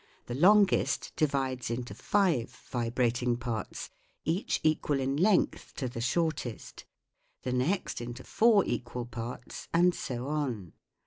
The longest divides into five vibrating parts, each equal in length to the shortest : the next into four equal parts, and so on.